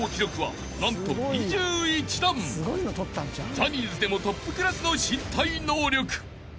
［ジャニーズでもトップクラスの身体能力］